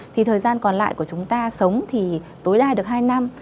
thì thời gian còn lại của chúng ta sống thì tối đa được hai năm